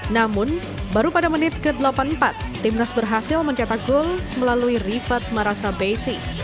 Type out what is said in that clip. namun baru pada menit ke delapan puluh empat timnas berhasil mencetak gol melalui rifat marasa base